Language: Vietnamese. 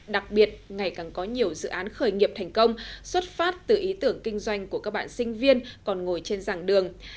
đặc biệt ngày càng có nhiều dự án khởi nghiệp thành công xuất phát từ ý tưởng kinh doanh của các bạn sinh viên còn ngồi trên dàng đường